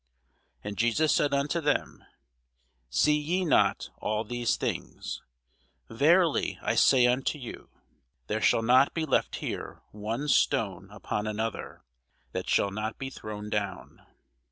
And Jesus said unto them, See ye not all these things? verily I say unto you, There shall not be left here one stone upon another, that shall not be thrown down.